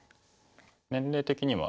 年齢的には？